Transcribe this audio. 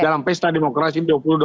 dalam pesta demokrasi dua ribu dua puluh